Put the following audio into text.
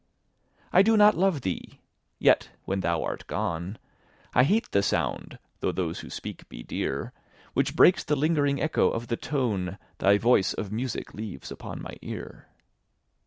I do not love thee!—yet, when thou art gone, I hate the sound (though those who speak be dear) 10 Which breaks the lingering echo of the tone Thy voice of music leaves upon my ear.